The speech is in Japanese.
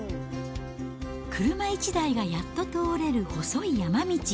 車１台がやっと通れる細い山道。